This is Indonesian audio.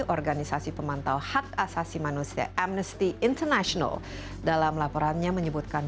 organisasi pemantau hak asasi manusia amnesty international dalam laporannya menyebutkan